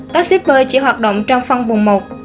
các shipper chỉ hoạt động trong phong vùng một